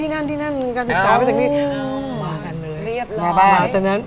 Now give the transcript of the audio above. มากันเลยมาไป